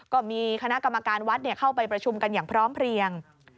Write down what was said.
ก็มีคณะกรรมการวัดเข้าไปประชุมกันอย่างพร้อมเพลียง